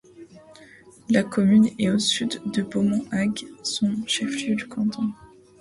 La commune est au sud de Beaumont-Hague, son chef-lieu de canton.